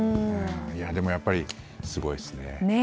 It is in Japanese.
でも、やっぱりすごいですね。